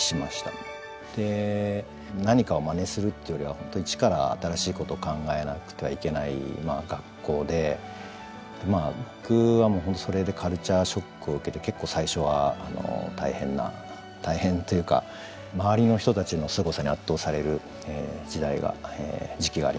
何かをマネするっていうよりは本当一から新しいことを考えなくてはいけない学校で僕は本当それでカルチャーショックを受けて結構最初は大変な大変というか周りの人たちのすごさに圧倒される時代が時期がありましたね。